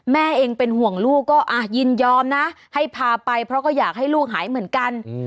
แม่เองเป็นห่วงลูกก็ยินยอมนะให้พาไปเพราะก็อยากให้ลูกหายเหมือนกัน